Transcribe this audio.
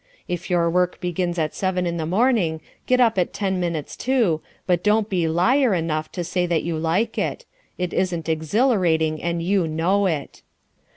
If your work begins at seven in the morning, get up at ten minutes to, but don't be liar enough to say that you like it. It isn't exhilarating, and you know it.